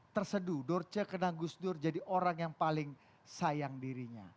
terseduh dorce kenal gus dur jadi orang yang paling sayang dirinya